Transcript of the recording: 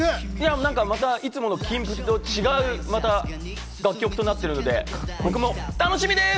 なんかいつものキンプリとは違う楽曲となっているので、僕も楽しみです。